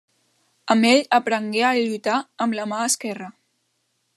Amb ell aprengué a lluitar amb la mà esquerra.